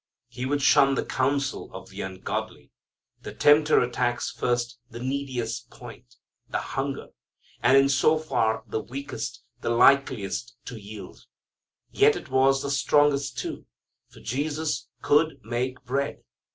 He would shun the counsel of the ungodly. The tempter attacks first the neediest point, the hunger, and in so far the weakest, the likeliest to yield. Yet it was the strongest, too, for Jesus could make bread.